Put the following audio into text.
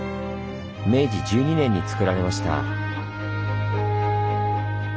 明治１２年につくられました。